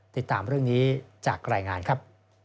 ติดตามเรื่องนี้จากรายงานครับ